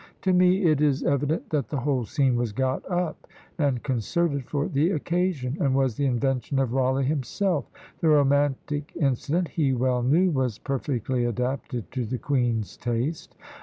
To me it is evident that the whole scene was got up and concerted for the occasion, and was the invention of Rawleigh himself; the romantic incident he well knew was perfectly adapted to the queen's taste.